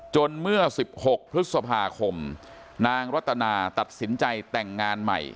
เมื่อ๑๖พฤษภาคมนางรัตนาตัดสินใจแต่งงานใหม่